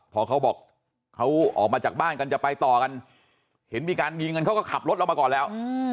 พอเขาบอกเขาออกมาจากบ้านกันจะไปต่อกันเห็นมีการยิงกันเขาก็ขับรถเรามาก่อนแล้ว